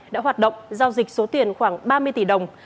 đã hoạt động giao dịch số tiền khoảng ba mươi tỷ đồng